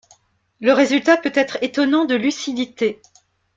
Le résultat peut être étonnant de lucidité.